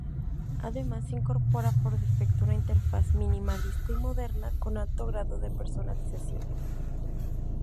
Además, incorpora por defecto una interfaz minimalista y moderna con alto grado de personalización.